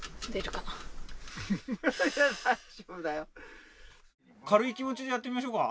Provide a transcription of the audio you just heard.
かるい気もちでやってみましょうか。